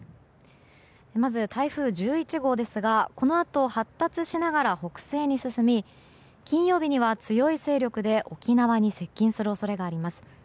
まず台風１１号ですがこのあと発達しながら北西に進み金曜日には強い勢力で沖縄に接近する恐れがあります。